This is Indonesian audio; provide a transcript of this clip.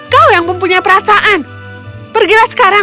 kau yang mempunyai perasaan pergilah sekarang